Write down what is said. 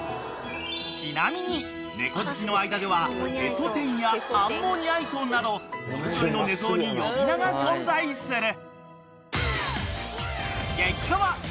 ［ちなみに猫好きの間ではヘソ天やアンモニャイトなどそれぞれの寝相に呼び名が存在する］